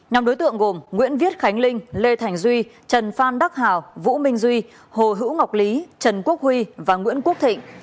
nhóm đối tượng gồm nguyễn viết khánh linh lê thành duy trần phan đắc hào vũ minh duy hồ hữu ngọc lý trần quốc huy và nguyễn quốc thịnh